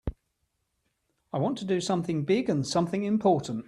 I want to do something big and something important.